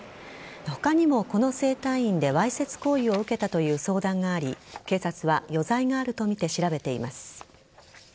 他にも、この整体院でわいせつ行為を受けたという相談があり警察は余罪があるとみて調べています。